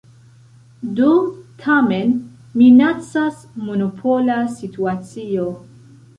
Do tamen minacas monopola situacio.